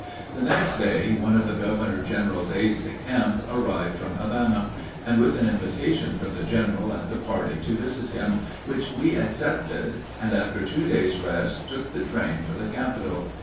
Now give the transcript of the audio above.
The next day one of the governor general's aides de camp arrived from Havana, with an invitation for the general and the party to visit him, which we accepted, and after two days' rest took the train for the capital.